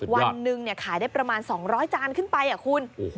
วันหนึ่งขายได้ประมาณ๒๐๐จานขึ้นไปคุณ